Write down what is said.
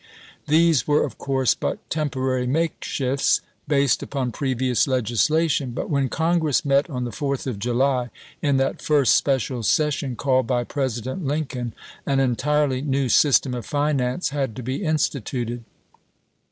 These were of course but temporary makeshifts, based upon previous legislation ; but when Congress met on the Fourth of July, in that first special session called by President Lincoln, an entirely new sys tem of finance had to be instituted.